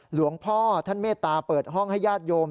หลวงพ่อท่านเมตตาเปิดห้องให้ญาติโยม